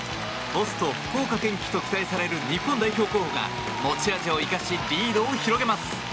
ポスト福岡堅樹と期待される日本代表候補が持ち味を生かしリードを広げます。